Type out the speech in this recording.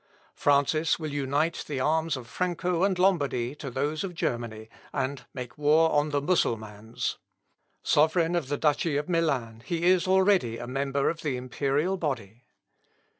Francis will unite the arms of France and Lombardy to those of Germany, and make war on the Mussulmans. Sovereign of the duchy of Milan, he is already a member of the imperial body."